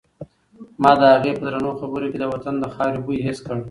ما د هغې په درنو خبرو کې د وطن د خاورې بوی حس کړ.